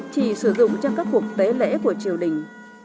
chỉ sử dụng trong các cuộc tế lễ của triều đình